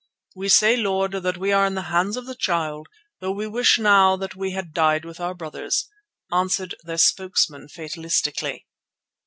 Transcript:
"We say, Lord, that we are in the hands of the Child, though we wish now that we had died with our brothers," answered their spokesman fatalistically.